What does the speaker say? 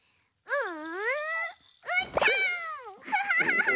うん。